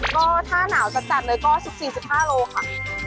ก็ถ้าหนาวจัดเลยก็๑๔๑๕โลค่ะ